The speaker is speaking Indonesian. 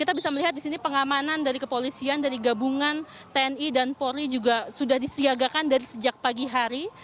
kita bisa melihat di sini pengamanan dari kepolisian dari gabungan tni dan polri juga sudah disiagakan dari sejak pagi hari